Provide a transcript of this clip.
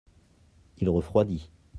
il refroidit.